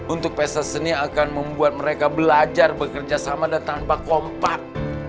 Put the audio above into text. untuk pesta seni akan membuat mereka belajar bekerja sama dan tanpa kompak